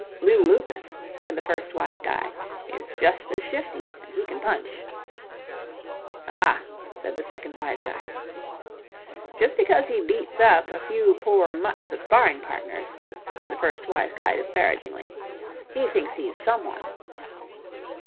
"Lew Lucas," said the first wise guy, "is just as shifty, and he can punch." "Ah!" said the second wise guy. "Just because he beats up a few poor mutts of sparring partners," said the first wise guy disparagingly, "he thinks he's someone."